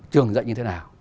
trường dạy như thế nào